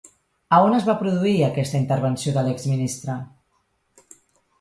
A on es va produir aquesta intervenció de l'exministre?